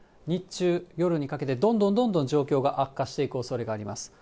日中、夜にかけて、どんどん状況が悪化していくおそれがあります。